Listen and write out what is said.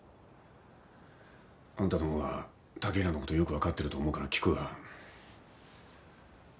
あんたのほうが剛洋のことよく分かってると思うから聞くが。